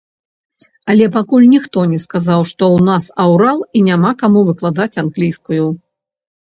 Але пакуль ніхто не сказаў, што ў нас аўрал і няма каму выкладаць англійскую.